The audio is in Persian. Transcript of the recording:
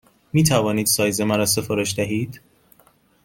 می توانید سایز مرا سفارش دهید؟